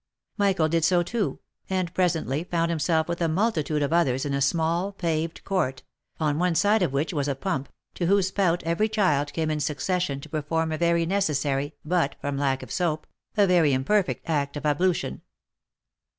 Michael did so too, and presently found himself with a multitude of others in a small paved court, on one side of which was a pump, to whose spout every child came in succession to perform a very neces sary, but, from lack of soap, a very imperfect act of ablution.